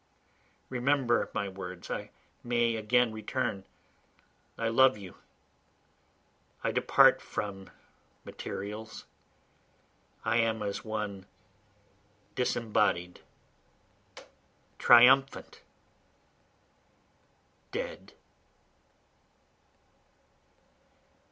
Remember my words, I may again return, I love you, I depart from materials, I am as one disembodied, triumphant, dead.